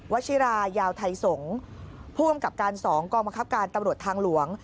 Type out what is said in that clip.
ชิรายาวไทยสงศ์ผู้กำกับการ๒กองบังคับการตำรวจทางหลวง